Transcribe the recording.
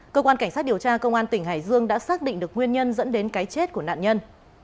cơ quan cảnh sát điều tra công an tỉnh hải dương đã xác định được nguyên nhân dẫn đến cái chết của nạn nhân